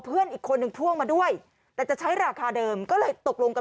เพื่อนอีกคนนึงพ่วงมาด้วยแต่จะใช้ราคาเดิมก็เลยตกลงกัน